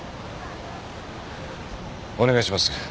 お願いします。